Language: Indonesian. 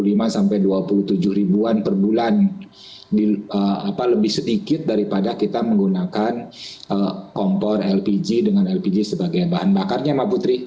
jadi ada dua puluh lima sampai dua puluh tujuh an per bulan lebih sedikit daripada kita menggunakan kompor lpg dengan lpg sebagai bahan bakarnya mbak putri